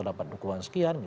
terdapat dukungan sekian